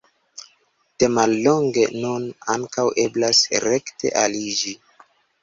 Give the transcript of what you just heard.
De mallonge nun ankaŭ eblas rekte aliĝi.